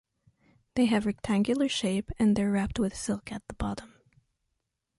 They have rectangular shape and they’re wrapped with silk at the bottom.